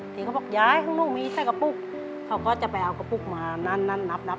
อย่าให้ข้างนู้นมีไส้กระปุ๊กเขาก็จะไปเอากระปุ๊กมานับ